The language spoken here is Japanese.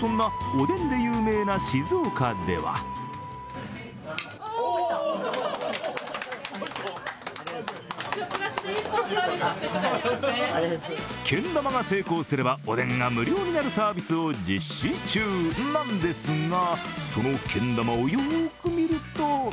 そんなおでんで有名な静岡ではけん玉が成功すれば、おでんが無料になるサービスを実施中なんですがそのけん玉をよく見るとん？